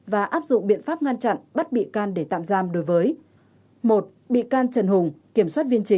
và áp dụng biện pháp ngăn chặn bắt bị can để tạm giam đối với